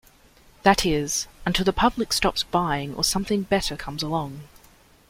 That is, until the public stops buying or something better comes along.